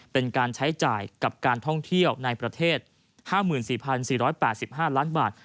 เป็นการใช้จ่ายกับการท่องเที่ยวในประเทศ๕๔๔๘๕ล้านบาท